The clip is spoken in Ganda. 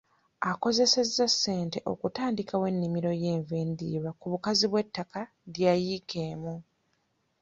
Akozesezza ssente okutandikawo ennimiro y'enva endiirwa ku bugazi bw'ettaka lya yiika emu.